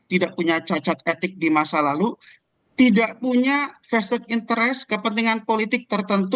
tidak punya cacat etik di masa lalu tidak punya vested interest kepentingan politik tertentu